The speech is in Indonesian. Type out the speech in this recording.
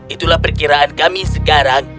itulah perkiraan kami sekarang